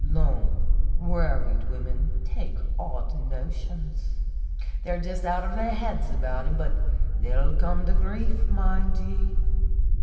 Lone, worried women take odd notions. They are jist out of their heads about him, but they '11 come to grief, mind ye.